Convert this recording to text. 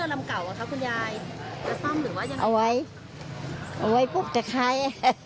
เอาไว้คุณพี่